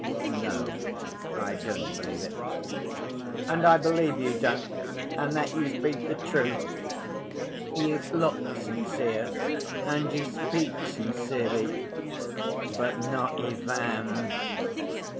"No, I don't believe it." "And I believe you don't, and that you speak the truth. You look sincere and you speak sincerely. But not Ivan.